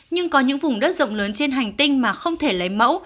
nhưng có những vùng đất rộng lớn trên hành tinh mà không thể lấy mẫu